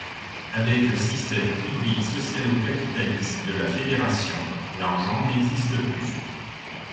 Avec le système hybride socialo-capitaliste de la Fédération, l'argent n'existe plus.